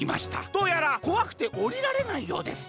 どうやらこわくておりられないようです。